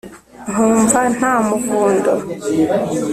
nkumva nta muvundo